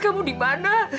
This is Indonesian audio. kamu di mana